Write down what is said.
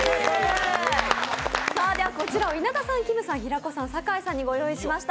こちらを稲田さん、平子さんきむさん、酒井さんにご用意しました。